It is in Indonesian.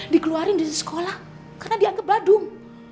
dikeluarin di sekolah karena dianggap badung